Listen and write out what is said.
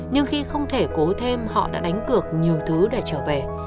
nhưng khi không thể cố thêm họ đã đánh cược nhiều thứ để trở về